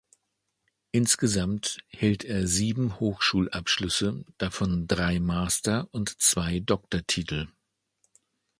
Insgesamt hält er sieben Hochschulabschlüsse, davon drei Master- und zwei Doktortitel.